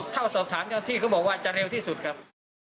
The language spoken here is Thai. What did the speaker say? เข้าสอบถามเจ้าที่เขาบอกว่าจะเร็วที่สุดครับ